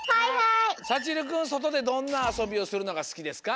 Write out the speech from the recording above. さちるくんそとでどんなあそびをするのがすきですか？